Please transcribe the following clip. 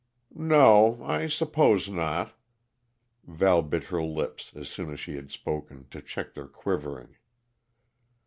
"No o I suppose not." Val bit her lips, as soon as she had spoken, to check their quivering.